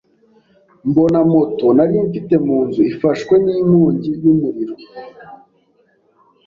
mbona moto nari mfite mu nzu ifashwe n’inkongi y’umuriro,